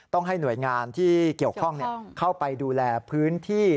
ให้หน่วยงานที่เกี่ยวข้องเข้าไปดูแลพื้นที่